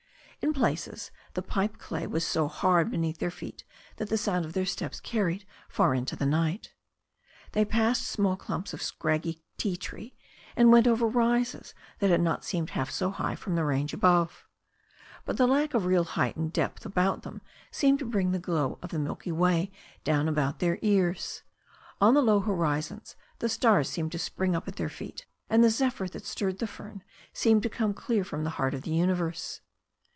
In places the pipe clay was so hard beneath their feet that the sound of their steps carried far into the night. They passed small clumps of scraggy ti tree, and went over rises that had not seemed half so high from the range above. But the lack of real height and depth about them seemed to bring the glow of the milky way down about their ears. On the low horizons the stars seemed to spring up at their feet, and the zephyr that stirred the fern seemed to come clear from the heart of the universe.